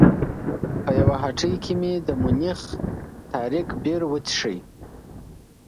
په یوه هټۍ کې مې د مونیخ تاریک بیر وڅښه.